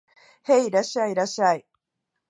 へい、いらっしゃい、いらっしゃい